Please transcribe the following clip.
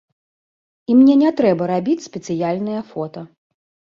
І мне не трэба рабіць спецыяльныя фота.